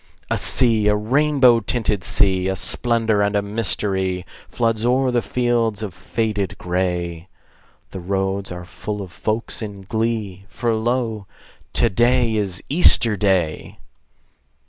A sea, a rainbow tinted sea, A splendor and a mystery, Floods o'er the fields of faded gray: The roads are full of folks in glee, For lo, to day is Easter Day!